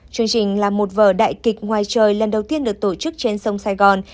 chương trình là một vở đại kịch ngoài trời lần đầu tiên được tổ chức trên sông sài gòn